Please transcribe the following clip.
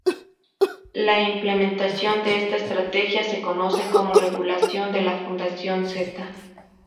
La implementación de esta estrategia se conoce como regularización de la función zeta.